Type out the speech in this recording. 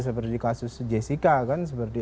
seperti di kasus jessica kan